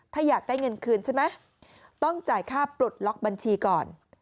ถ้าอยากได้เงินคืนใช่ไหมต้องจ่ายค่าปลดล็อกบัญชีก่อน